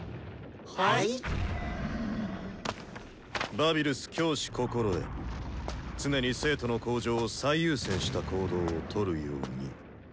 「バビルス教師心得常に生徒の向上を最優先した行動をとるように」。